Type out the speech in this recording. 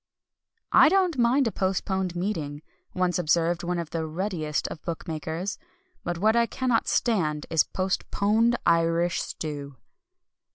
"I don't mind a postponed meeting," once observed one of the "readiest" of bookmakers; "but what I cannot stand is postponed Irish stew."